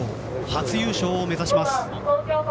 初優勝を目指します。